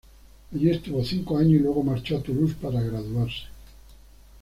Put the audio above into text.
Allí estuvo cinco años y luego marchó a Toulouse para graduarse.